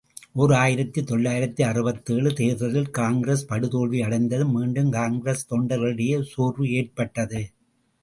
ஓர் ஆயிரத்து தொள்ளாயிரத்து அறுபத்தேழு தேர்தலில் காங்கிரஸ் படுதோல்வி அடைந்ததும் மீண்டும் காங்கிரஸ் தொண்டர்களிடையே சோர்வு ஏற்பட்டது.